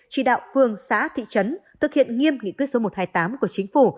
chỉ đạo phường xã thị trấn thực hiện nghiêm nghị quyết số một trăm hai mươi tám của chính phủ